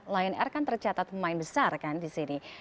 lion air kan tercatat pemain besar kan di sini